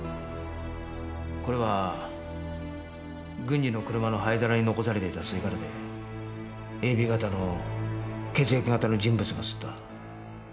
これは軍司の車の灰皿に残されていた吸い殻でＡＢ型の血液型の人物が吸った。